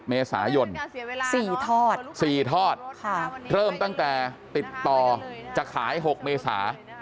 เมษายน๔ทอด๔ทอดเริ่มตั้งแต่ติดต่อจะขาย๖เมษา